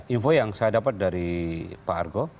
info yang saya dapat dari pak argo